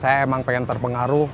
saya emang pengen terpengaruh